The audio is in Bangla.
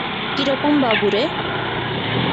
কিরকম বাবু রে?